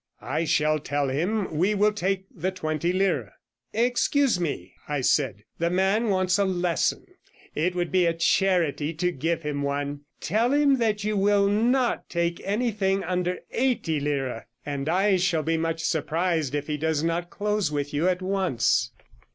I shall tell him we will take the twenty lire." "Excuse me," I said, "the man wants a lesson. It would be a charity to give him one. Tell him that you will not take anything under eighty lire, and I shall be much surprised if he does not close with you at once."